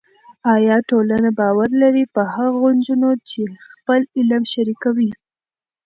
ایا ټولنه باور لري پر هغو نجونو چې خپل علم شریکوي؟